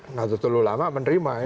nato tululama menerima